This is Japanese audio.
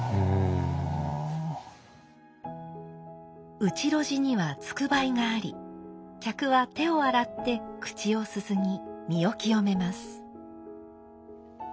内露地にはつくばいがあり客は手を洗って口をすすぎ身を清めます。